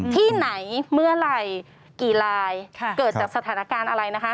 ที่ไหนเมื่อไหร่กี่ลายเกิดจากสถานการณ์อะไรนะคะ